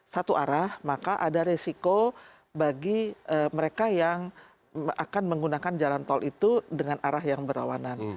satu arah maka ada resiko bagi mereka yang akan menggunakan jalan tol itu dengan arah yang berlawanan